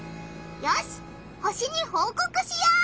よし星にほうこくしよう！